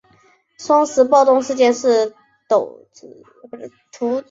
双十暴动事件是徙置事务处职员与居民争执引起。